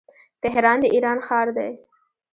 تهران د ايران ښار دی.